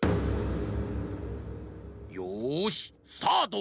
よしスタート！